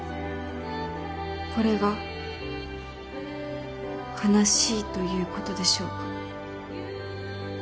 これが悲しいということでしょうか？